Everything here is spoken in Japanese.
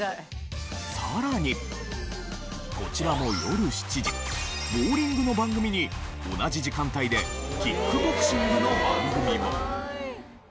さらにこちらも夜７時ボウリングの番組に同じ時間帯でキックボクシングの番組も。